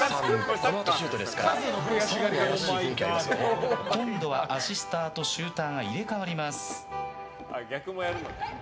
このあとシュートですが今度はアシスターとシューターが入れ替わります。